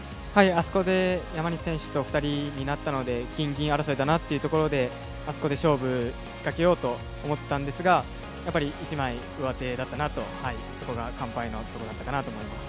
あそこで山西選手と２人になったので金・銀争いだなということであそこで勝負を仕掛けようと思ったんですが、やっぱり一枚上手だったなと、そこが完敗のところだったなと思っています。